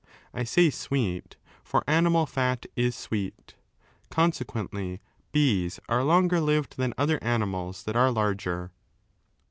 I say sweet, for animal fat is sweet Consequently bees are longer lived than other animals that are larger.